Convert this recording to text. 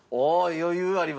余裕ありますね。